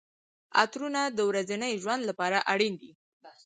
عطرونه د ورځني ژوند لپاره اړین دي.